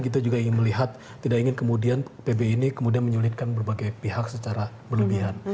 kita juga ingin melihat tidak ingin kemudian pb ini kemudian menyulitkan berbagai pihak secara berlebihan